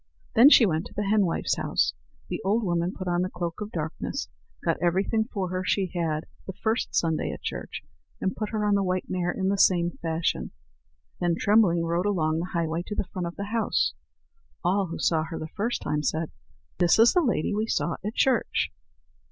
Then she went to the henwife's house. The old woman put on the cloak of darkness, got everything for her she had the first Sunday at church, and put her on the white mare in the same fashion. Then Trembling rode along the highway to the front of the house. All who saw her the first time said: "This is the lady we saw at church."